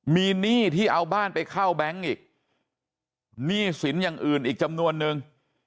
มีหนี้ที่เอาบ้านไปเข้าแบงค์อีกหนี้สินอย่างอื่นอีกจำนวนนึง